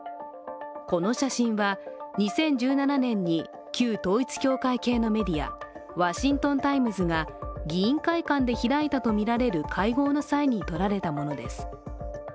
この写真は、２０１７年に旧統一教会系のメディア「ワシントン・タイムズ」が議員会館で開いたとみられる会合の際に撮られたものです。